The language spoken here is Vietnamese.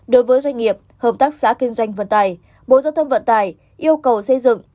đối với doanh nghiệp hợp tác xã kinh doanh vận tải bộ giao thông vận tải yêu cầu xây dựng